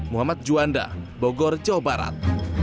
muhammad juanda bogor jawa barat